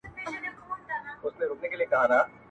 كوم حميد به خط و خال كاغذ ته يوسي!